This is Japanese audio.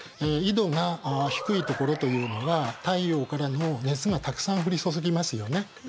緯度が低い所というのは太陽からの熱がたくさん降り注ぎますよね。